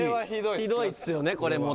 「ひどいっすよねこれ。